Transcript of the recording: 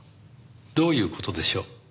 どういう事でしょう？